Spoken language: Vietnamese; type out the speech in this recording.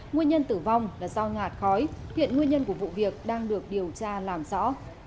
nguyên nhân tử vong là do ngạt khói hiện nguyên nhân của vụ việc đang được điều tra làm rõ